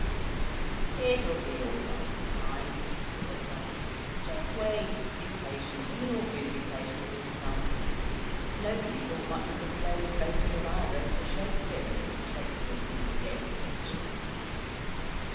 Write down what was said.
"It'll be all right in time," said Raleigh; "just wait be patient, and your vindication will come. Nobody thought much of the plays Bacon and I wrote for Shakespeare until Shakespeare 'd been dead a century."